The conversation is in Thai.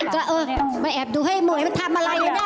ก็เออมาแอบดูให้หมวยมันทำอะไรอยู่นะ